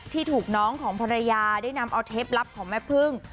ที่ถูกน้องของภรรยาได้นำเอาเทปลับของแม่พึ่ง